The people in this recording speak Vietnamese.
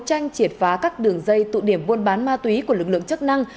tranh triệt phá các đường dây tụ điểm buôn bán ma túy của lực lượng chức năng